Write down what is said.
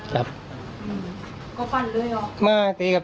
กากสอน